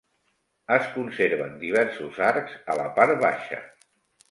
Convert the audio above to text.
Es conserven diversos arcs a la part baixa.